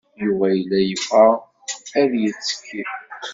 Yuba yella yebɣa ad yettekki.